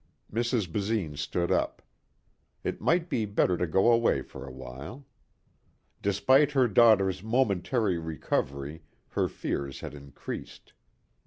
Mrs. Basine stood up. It might be better to go away for a while. Despite her daughter's momentary recovery her fears had increased.